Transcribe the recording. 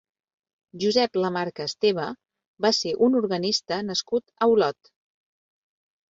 Josep Lamarca Esteva va ser un organista nascut a Olot.